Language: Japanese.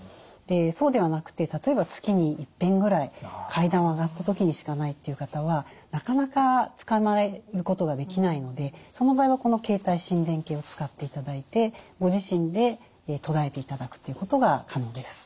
そうではなくて例えば月にいっぺんぐらい階段を上がった時にしかないという方はなかなかつかまえることができないのでその場合はこの携帯心電計を使っていただいてご自身でとらえていただくということが可能です。